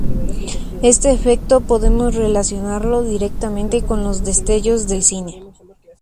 Este efecto podemos relacionarlo directamente con los destellos del cine.